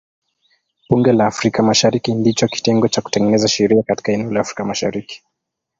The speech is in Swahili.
Bunge la Afrika Mashariki ndicho kitengo cha kutengeneza sheria katika eneo la Afrika Mashariki.